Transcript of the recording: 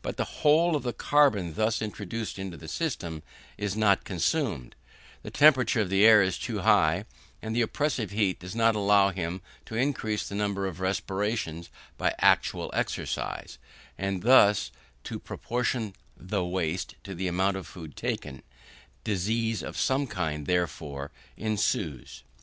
But the whole of the carbon thus introduced into the system is not consumed; the temperature of the air is too high, and the oppressive heat does not allow him to increase the number of respirations by active exercise, and thus to proportion the waste to the amount of food taken; disease of some kind, therefore, ensues.